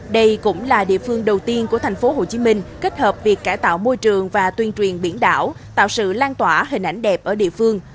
đây cũng là địa phương đầu tiên của thành phố hồ chí minh kết hợp việc cải tạo môi trường và tuyên truyền biển đảo tạo sự lan tỏa hình ảnh đẹp ở địa phương